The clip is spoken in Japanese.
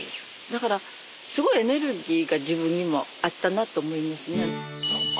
だからすごいエネルギーが自分にもあったなと思いますね。